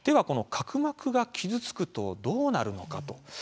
この角膜が傷つくとどうなるのか。